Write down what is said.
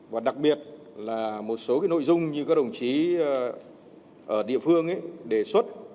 và đặc biệt là một số cái nội dung như các đồng chí ở địa phương ấy đề xuất